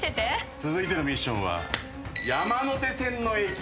続いてのミッションは。